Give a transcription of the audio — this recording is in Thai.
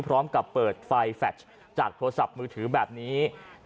พร้อมกับเปิดไฟแฟชจากโทรศัพท์มือถือแบบนี้